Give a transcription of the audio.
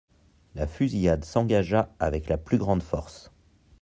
La fusillade s'engagea avec la plus grande force.